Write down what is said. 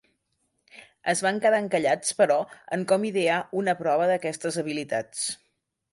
Es van quedar encallats, però, en com idear una prova d'aquestes habilitats.